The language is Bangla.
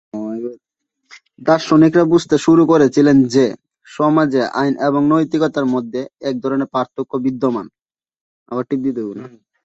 দার্শনিকরা বুঝতে শুরু করেছিলেন যে, সমাজে আইন এবং নৈতিকতার মধ্যে এক ধরনের পার্থক্য বিদ্যমান।